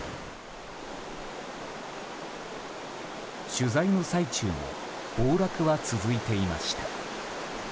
取材の最中も崩落は続いていました。